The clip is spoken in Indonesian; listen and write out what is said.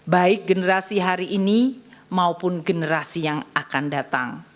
baik generasi hari ini maupun generasi yang akan datang